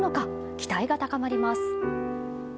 期待が高まります。